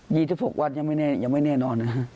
ยีที่๖วันยังไม่แน่นอนนะครับ